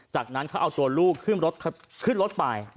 จากนั้นเขาเอาตัวลูกขึ้นรถไป